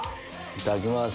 いただきます。